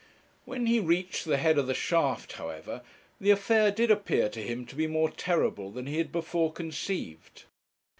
When he reached the head of the shaft, however, the affair did appear to him to be more terrible than he had before conceived.